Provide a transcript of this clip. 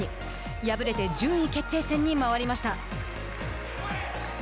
敗れて順位決定戦に回りました。